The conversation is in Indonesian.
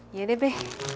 iya deh be